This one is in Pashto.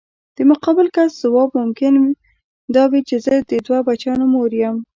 د مقابل کس ځواب ممکن دا وي چې زه د دوه بچیانو مور یم.